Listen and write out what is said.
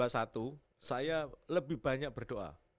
saya lebih banyak berdoa